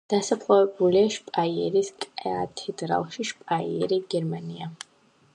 დასაფლავებულია შპაიერის კათედრალში, შპაიერი, გერმანია.